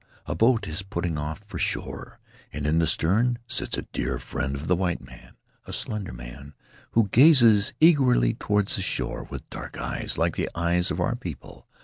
A boat is putting off for shore, and in the stern sits a dear friend of the white man — a slender man, who gazes eagerly toward the shore with dark eyes like the eyes of our people.